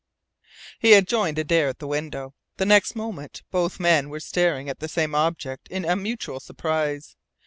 He had joined Adare at the window. The next moment both men were staring at the same object in a mutual surprise.